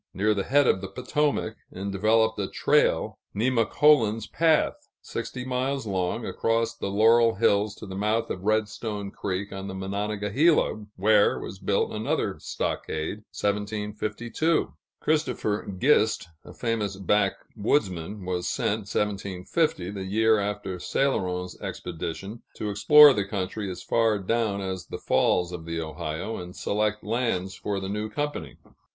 near the head of the Potomac, and developed a trail ("Nemacolin's Path"), sixty miles long, across the Laurel Hills to the mouth of Redstone Creek, on the Monongahela, where was built another stockade (1752). Christopher Gist, a famous backwoodsman, was sent (1750), the year after Céloron's expedition, to explore the country as far down as the falls of the Ohio, and select lands for the new company.